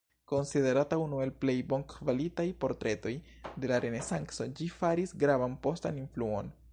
Konsiderata unu el plej bonkvalitaj portretoj de la Renesanco, ĝi faris gravan postan influon.